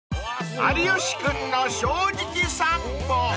［『有吉くんの正直さんぽ』］